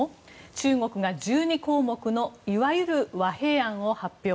中国が１２項目のいわゆる和平案を発表。